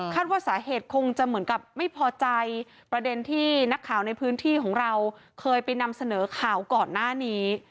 ว่าสาเหตุคงจะเหมือนกับไม่พอใจประเด็นที่นักข่าวในพื้นที่ของเราเคยไปนำเสนอข่าวก่อนหน้านี้